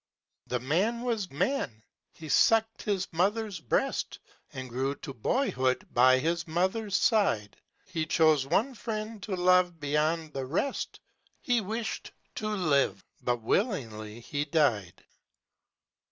The Man was man â He sucked His Mother's breast. And grew to boyhood by His Mother's side; He chose one friend to love beyond the rest. He wished to live, but willingly He died.